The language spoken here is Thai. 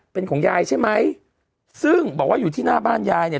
เป็นของยายใช่ไหมซึ่งบอกว่าอยู่ที่หน้าบ้านยายเนี่ย